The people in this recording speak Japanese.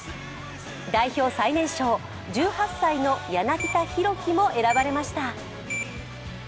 代表最年少、１８歳の柳田大輝も選ばれました。